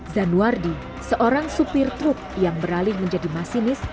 zanwardi seorang supir truk yang beralih menjadi masinis